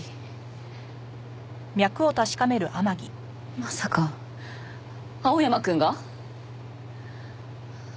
まさか青山くんが？